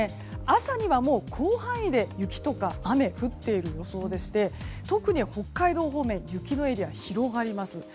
朝にはもう広範囲で雪とか雨降っている予想でして特に北海道方面雪のエリアが広がります。